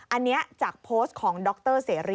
อันนี้จากโพสต์ของดรเสรี